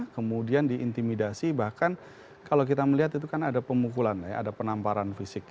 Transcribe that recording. kemudian diintimidasi bahkan kalau kita melihat itu kan ada pemukulan ya ada penamparan fisik